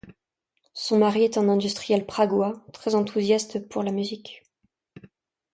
Son mari est un industriel praguois, très enthousiaste pour la musique.